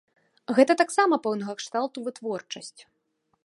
Гэта таксама пэўнага кшталту вытворчасць.